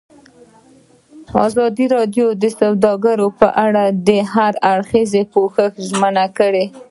ازادي راډیو د سوداګري په اړه د هر اړخیز پوښښ ژمنه کړې.